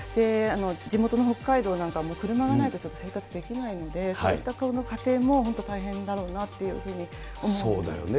地元の北海道なんかも車がないと生活できないので、そういった家庭も本当大変だろうなというふうに思うんですよね。